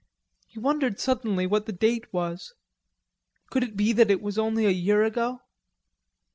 He wondered suddenly what the date was. Could it be that it was only a year ago?